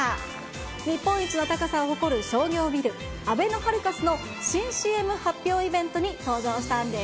日本一の高さを誇る商業ビル、あべのハルカスの新ＣＭ発表イベントに登場したんです。